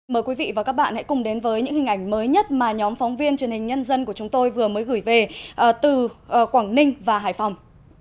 mời quý vị và các bạn hãy cùng đến với những hình ảnh mới nhất mà nhóm phóng viên truyền hình nhân dân của chúng tôi vừa mới gửi về từ quảng ninh và hải phòng